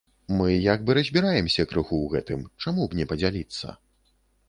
Мы як бы разбіраемся крыху ў гэтым, чаму б не падзяліцца.